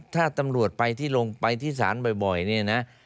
ถ้าตำรวจไปที่ลงไปที่ศาลบ่อยเนี่ยนะ